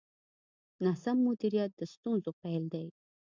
ناسم مدیریت د ستونزو پیل دی.